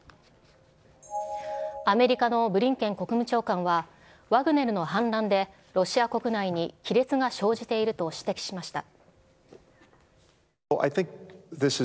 アメリカのブリンケン国務長官は、ワグネルの反乱で、ロシア国内に亀裂が生じていると指摘しました。